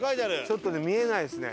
ちょっとね見えないですね。